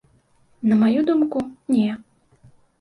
На маю думку, не.